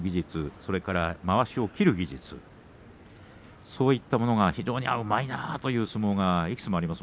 そして、まわしを切る技術そういったものがうまいなという相撲がいつもあります。